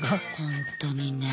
ほんとにねぇ。